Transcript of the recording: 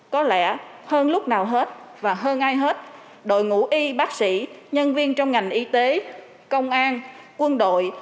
có lẽ hơn lúc nào hết và hơn ai hết đội ngũ y bác sĩ nhân viên trong ngành y tế công an quân đội